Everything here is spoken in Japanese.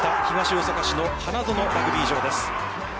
東大阪市の花園ラグビー場です。